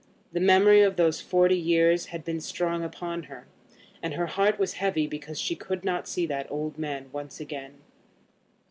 The memory of those forty years had been strong upon her, and her heart was heavy because she could not see that old man once again.